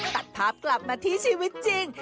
ตัดภาพกลับมาที่ชีวิตจริง